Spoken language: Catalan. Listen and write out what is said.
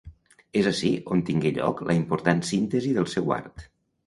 És ací on tingué lloc la important síntesi del seu art.